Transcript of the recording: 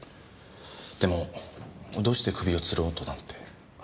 でもどうして首を吊ろうとなんて？